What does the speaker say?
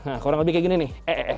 nah kurang lebih kayak gini nih